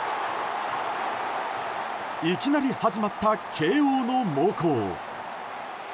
いきなり始まった慶応の猛攻。